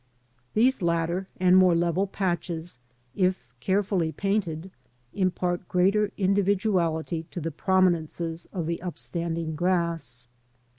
These latter, and more level patches, if carefully painted, impart greater individuality to the prominences of the upstanding grass.